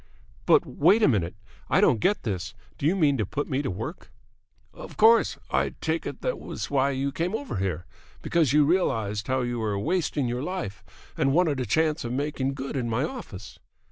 "But wait a minute! I don't get this! Do you mean to put me to work?" "Of course. I take it that that was why you came over here, because you realised how you were wasting your life and wanted a chance of making good in my office."